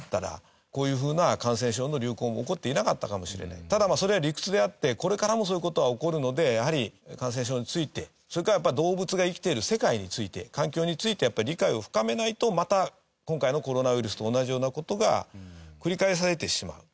あるいはただそれは理屈であってこれからもそういう事は起こるのでやはり感染症についてそれからやっぱり動物が生きてる世界について環境について理解を深めないとまた今回のコロナウイルスと同じような事が繰り返されてしまう。